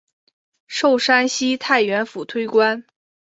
授山西太原府推官。